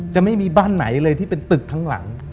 ไม่มีบ้านไหนเลยที่เป็นตึกทั้งหลัง